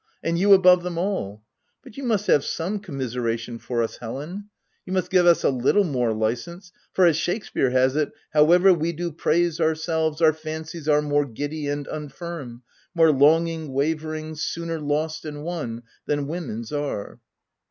and you above them all — but you must have some commiseration for us, Helen ; you must give us a little more licence, for as Shakespere has it —* However we do praise ourselves, Our fancies are more giddy and unfirm, More longing, wavering, sooner lost and won Than women's are.'